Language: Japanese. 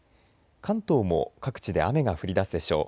関東も各地で雨が降りだすでしょう。